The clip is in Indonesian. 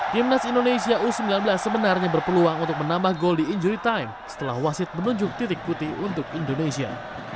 timnas indonesia u sembilan belas sebenarnya berpeluang untuk menambah gol di injury time setelah wasit menunjuk titik putih untuk indonesia